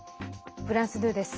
フランス２です。